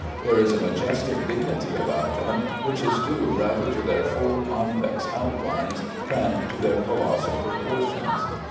There is a majestic dignity about them which is due rather to their full convex outlines than to their colossal proportions.